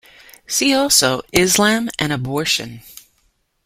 See also: Islam and abortion.